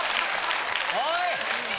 おい！